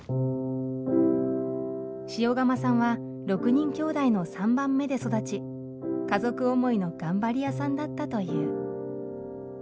塩釜さんは６人きょうだいの３番目で育ち家族思いの頑張り屋さんだったという。